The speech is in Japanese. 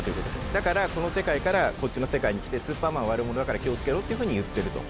だからこの世界からこっちの世界に来てスーパーマンは悪者だから気を付けろっていうふうに言ってると。